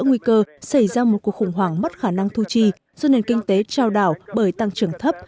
nguy cơ xảy ra một cuộc khủng hoảng mất khả năng thu chi do nền kinh tế trao đảo bởi tăng trưởng thấp